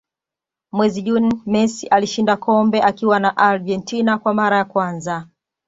mwezi juni messi alishinda kombe akiwa na argentina kwa mara ya kwanza